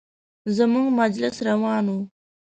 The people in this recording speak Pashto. زموږ مجلس روان و.